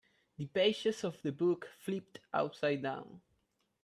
The pages of the book flipped upside down.